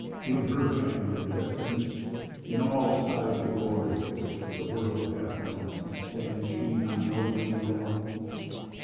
in her hand Their destinies? in all beside Of glory which the world hath known Stands she not nobly and alone?